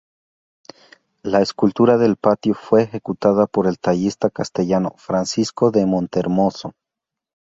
La escultura del patio fue ejecutada por el tallista castellano Francisco de Montehermoso.